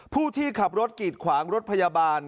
ผู้ที่ขับรถกีดขวางรถพยาบาล